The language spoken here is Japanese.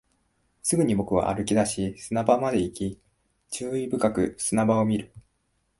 すぐに僕は歩き出し、砂場まで行き、注意深く砂場を見る